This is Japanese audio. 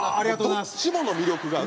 どっちもの魅力がある。